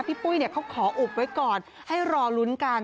ปุ้ยเขาขออุบไว้ก่อนให้รอลุ้นกัน